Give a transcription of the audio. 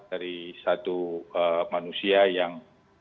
dari satu manusia yang